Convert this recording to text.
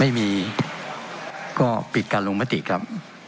ไม่มีก็ปิดการลงมติครับ